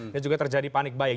dan juga terjadi panik baik